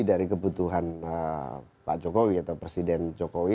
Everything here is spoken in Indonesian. dari kebutuhan pak jokowi atau presiden jokowi